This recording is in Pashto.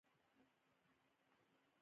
هغه مې هم نبض او فشار وکتل.